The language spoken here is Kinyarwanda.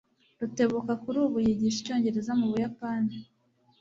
Rutebuka kuri ubu yigisha icyongereza mu Buyapani.